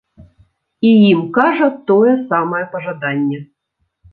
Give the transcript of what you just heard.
І ім кажа тое самае пажаданне.